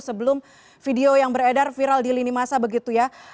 sebelum video yang beredar viral di lini masa begitu ya